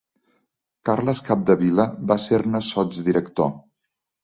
Carles Capdevila va ser-ne sotsdirector.